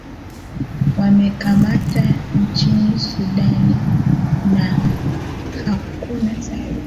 wamekamata nchini sudan na hakuna taarifa